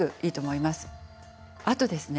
あとですね